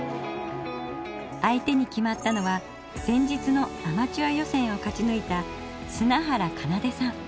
相手に決まったのは前日のアマチュア予選を勝ち抜いた砂原奏さん